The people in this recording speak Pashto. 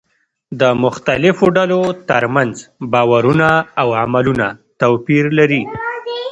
د مختلفو ډلو ترمنځ باورونه او عملونه توپير لري.